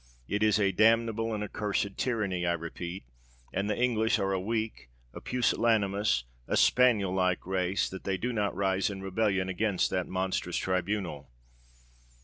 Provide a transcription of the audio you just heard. It is a damnable and a cursed tyranny, I repeat; and the English are a weak—a pusillanimous—a spaniel like race, that they do not rise in rebellion against that monstrous tribunal!"